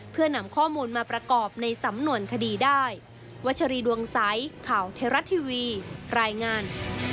เพื่อนำข้อมูลมาประกอบในสำนวนคดีได้วัชรีดวงสายข่าวเทราะทีวีรายงาน